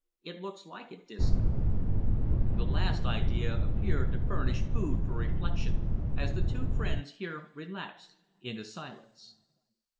"It looks like it, Disco." The last idea appeared to furnish food for reflection, as the two friends here relapsed into silence.